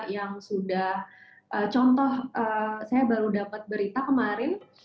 yang sudah contoh saya baru dapat berita kemarin